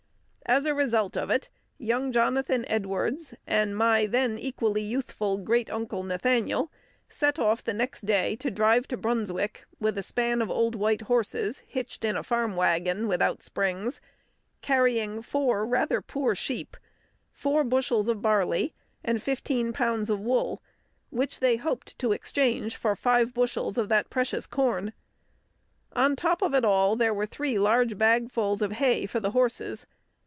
As a result of it, young Jonathan Edwards and my then equally youthful Great uncle Nathaniel set off the next day to drive to Brunswick with a span of old white horses hitched in a farm wagon without springs, carrying four rather poor sheep, four bushels of barley, and fifteen pounds of wool, which they hoped to exchange for five bushels of that precious corn. On top of it all there were three large bagfuls of hay for the horses.